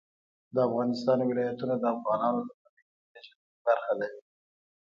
د افغانستان ولايتونه د افغانانو د فرهنګي پیژندنې برخه ده.